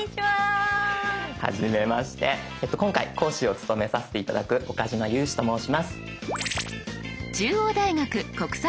はじめまして今回講師を務めさせて頂く岡嶋裕史と申します。